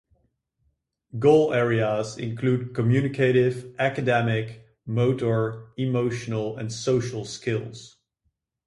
Goal areas include communicative, academic, motor, emotional, and social skills.